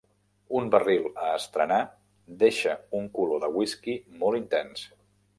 Un barril a estrenar deixa un color de whisky molt intens.